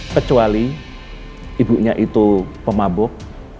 kecuali ibunya itu pemabok